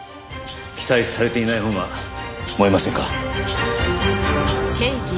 期待されていないほうが燃えませんか？